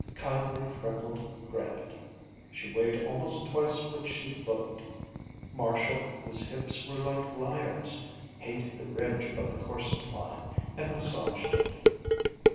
Kindly freckled granite. She weighed almost twice what she looked. Marcia, whose hips were like lyres, hated the ridge above the corset line and massaged it.